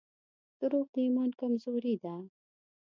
• دروغ د ایمان کمزوري ده.